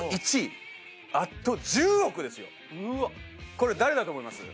これ誰だと思います？